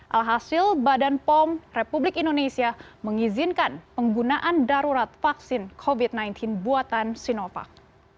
alhasil badan pom republik indonesia mengizinkan penggunaan darurat vaksin covid sembilan belas buatan sinovac